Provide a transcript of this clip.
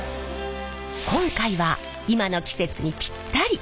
今回は今の季節にぴったり！